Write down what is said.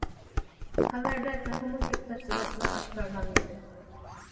خەۋەردە تېخىمۇ كۆپ تەپسىلاتلار ئاشكارىلانمىدى.